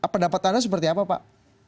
pendapat anda seperti apa pak